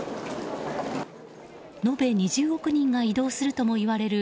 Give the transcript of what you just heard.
延べ２０億人が移動するものともいわれている